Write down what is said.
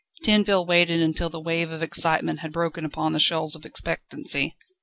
Tinville waited until the wave of excitement had broken upon the shoals of expectancy.